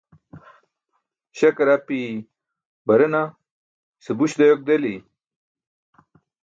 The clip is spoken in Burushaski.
śakar api barena ise buś dayok deli